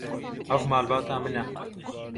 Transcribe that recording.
Ev malbata min e.